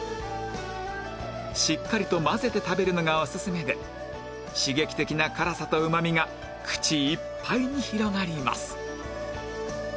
しっかりと混ぜて食べるのがオススメで刺激的な辛さとうまみが口いっぱいに広がります